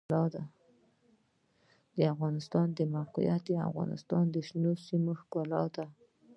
د افغانستان د موقعیت د افغانستان د شنو سیمو ښکلا ده.